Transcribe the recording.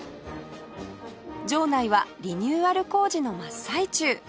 場内はリニューアル工事の真っ最中